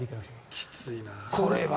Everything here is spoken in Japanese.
きついな。